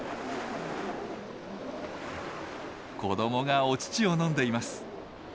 子どもがお乳を飲んでいます。